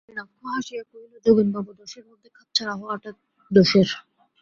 নলিনাক্ষ হাসিয়া কহিল, যোগেনবাবু দশের মধ্যে খাপছাড়া হওয়াটা দোষের।